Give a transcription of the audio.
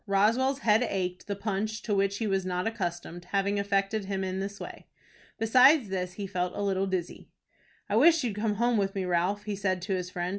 Roswell's head ached, the punch, to which he was not accustomed, having affected him in this way. Besides this he felt a little dizzy. "I wish you'd come home with me, Ralph," he said to his friend.